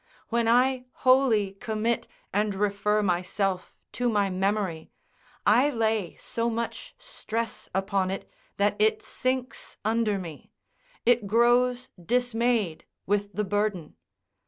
When I wholly commit and refer myself to my memory, I lay so much stress upon it that it sinks under me: it grows dismayed with the burden.